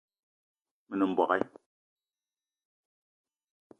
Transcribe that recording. Me nem mbogue